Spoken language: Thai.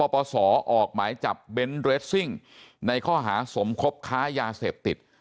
ปศออกหมายจับเบนท์เรสซิ่งในข้อหาสมคบค้ายาเสพติด